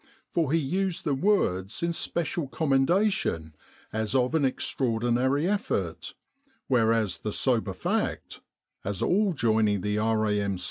For he used the words in special commendation as of an extraordinary effort, whereas the sober fact as all joining the R.A.M.